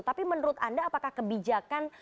tapi menurut anda apakah kebijakan